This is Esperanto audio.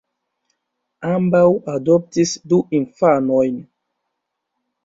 Ambaŭ adoptis du infanojn.